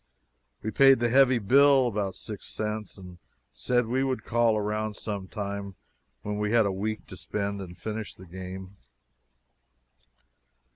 We paid the heavy bill about six cents and said we would call around sometime when we had a week to spend, and finish the game.